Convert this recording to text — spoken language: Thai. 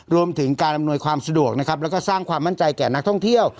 รวมถึงการอำนวยความสะดวกนะครับแล้วก็สร้างความมั่นใจแก่นักท่องเที่ยว